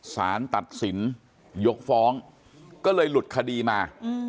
สารตัดสินยกฟ้องก็เลยหลุดคดีมา